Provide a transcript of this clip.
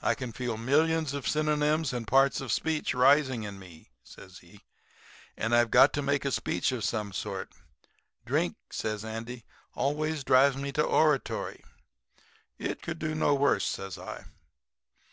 I can feel millions of synonyms and parts of speech rising in me,' says he, 'and I've got to make a speech of some sort. Drink,' says Andy, 'always drives me to oratory.' "'It could do no worse,' says I.